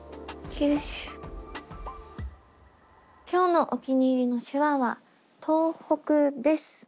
今日のお気に入りの手話は「東北」です。